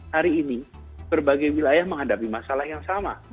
hari ini berbagai wilayah menghadapi masalah yang sama